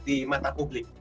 di mata publik